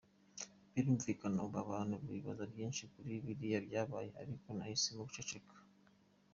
Birumvikana ubu abantu bibaza byinshi kuri biriya byabaye ariko nahisemo guceceka.